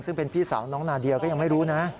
ซึ่งเป็นพี่สาวน้องนาเดียก็ยังไม่รู้นะ